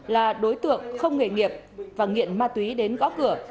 là đối tượng không nghề nghiệp và nghiện ma túy đến gõ cửa